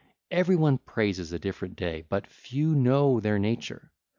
Everyone praises a different day but few know their nature.